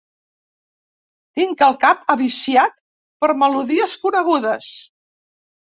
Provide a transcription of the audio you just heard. Tinc el cap aviciat per melodies conegudes.